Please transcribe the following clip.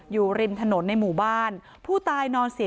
อยู่ริมถนนในหมู่บ้าน